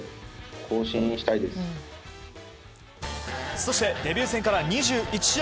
そしてデビュー戦から２１試合